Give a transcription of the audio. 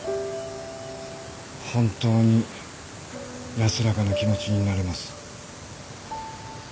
本当に安らかな気持ちになれます。